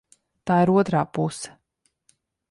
Tā ir otrā puse.